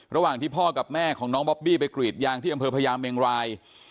ระหว่างที่พ่อกับแม่ของน้องบอบบี้ไปกรีดยางที่อำเภอพญาเมงราย